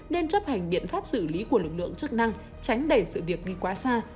nên chấp hành biện pháp xử lý của lực lượng chức năng tránh đẩy sự việc đi quá xa